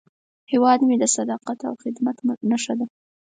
هیواد مې د صداقت او خدمت نښه ده